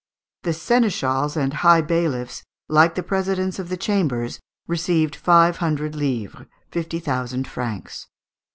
The seneschals and high bailiffs, like the presidents of the chambers, received five hundred livres fifty thousand francs.